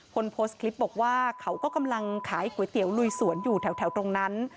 คนโพสต์คลิปบอกว่าเขาก็กำลังขายก๋วยเตี๋ยวลุยสวนอยู่แถวตรงนั้น